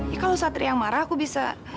ya kalau satria marah aku bisa